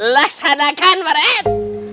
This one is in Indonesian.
laksanakan pak rt